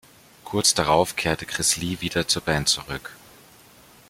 Kurz darauf kehrte Chris Lee wieder zur Band zurück.